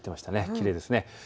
きれいですね。